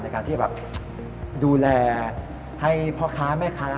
ในการที่แบบดูแลให้พ่อค้าแม่ค้า